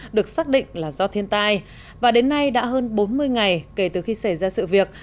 được xác định là do thiên tai và đến nay đã hơn bốn mươi ngày kể từ khi xảy ra sự việc